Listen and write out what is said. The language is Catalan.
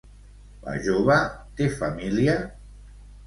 La jove té família?